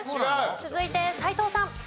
続いて斎藤さん。